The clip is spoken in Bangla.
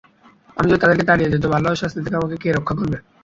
আমি যদি তাদেরকে তাড়িয়ে দেই, তবে আল্লাহর শাস্তি থেকে আমাকে কে রক্ষা করবে?